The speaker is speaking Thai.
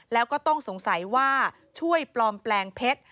แล้วก็ต้องสงสัยว่าช่วยปลอมแปลงเพชร